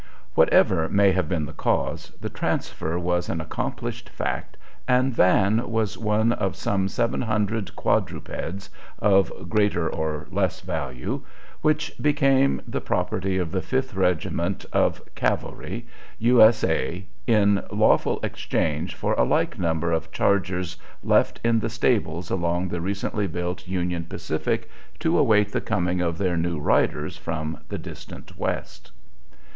Whatever may have been the cause, the transfer was an accomplished fact, and Van was one of some seven hundred quadrupeds, of greater or less value, which became the property of the Fifth Regiment of Cavalry, U.S.A., in lawful exchange for a like number of chargers left in the stables along the recently built Union Pacific to await the coming of their new riders from the distant West.